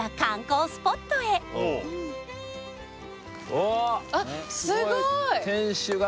おっすごい！